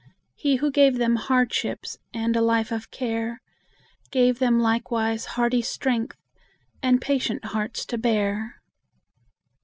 He who gave them hardships And a life of care, Gave them likewise hardy strength And patient hearts to bear.